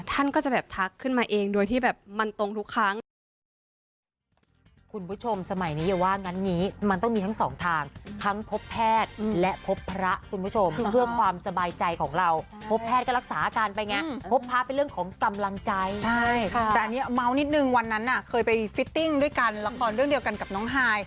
ท่านก็จะแบบทักขึ้นมาเองโดยที่แบบมันตรงทุกครั้ง